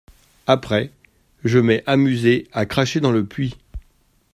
Après… je m’ai amusé à cracher dans le puits.